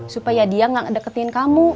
supaya dia gak deketin kamu